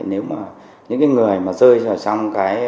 nếu mà những người mà rơi vào trong cái